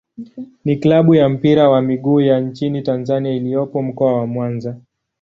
ni klabu ya mpira wa miguu ya nchini Tanzania iliyopo Mkoa wa Mwanza.